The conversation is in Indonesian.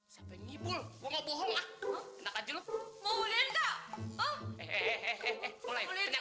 sampai jumpa di video selanjutnya